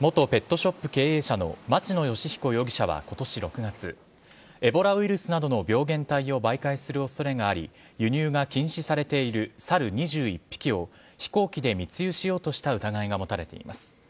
元ペットショップ経営者の町野義彦容疑者は今年６月エボラウイルスなどの病原体を媒介する恐れがあり輸入が禁止されているサル２１匹を飛行機で密輸しようとした疑いが持たれています。